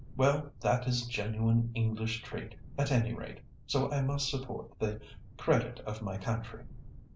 "Well that is a genuine English trait at any rate, so I must support the credit of my country."